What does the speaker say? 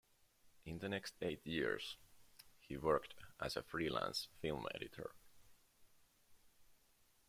In the next eight years, he worked as a freelance film editor.